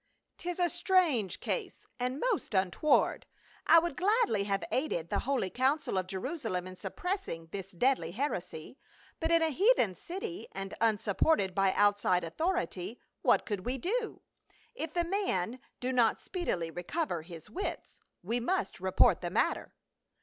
"'^ I ^IS a strange case, and most untoward, I would i gladly have aided the holy council of Jeru salem in suppressing this deadly heresy ; but in a heathen city and unsupported by outside authority, what could we do ? If the man do not speedily re cover his wits, we must report the matter."